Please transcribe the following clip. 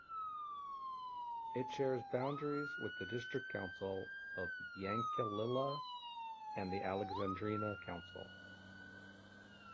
It shares boundaries with the District Council of Yankalilla and the Alexandrina Council.